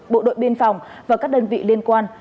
bộ đội biên phòng và các đơn vị liên quan